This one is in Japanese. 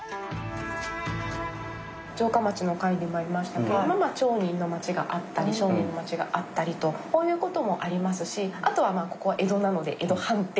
城下町の回にもありましたけど町人の町があったり商人の町があったりとこういう事もありますしあとはまあここは江戸なので江戸藩邸ですね。